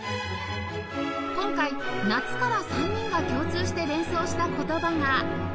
今回「夏」から３人が共通して連想した言葉が